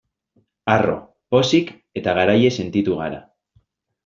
Harro, pozik eta garaile sentitu gara.